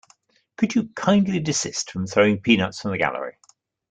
Could you kindly desist from throwing peanuts from the gallery?